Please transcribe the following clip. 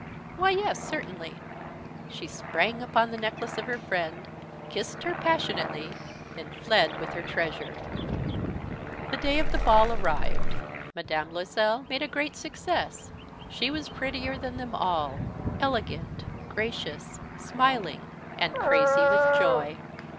"Why, yes, certainly." She sprang upon the neck of her friend, kissed her passionately, then fled with her treasure. The day of the ball arrived. Mme. Loisel made a great success. She was prettier than them all, elegant, gracious, smiling, and crazy with joy.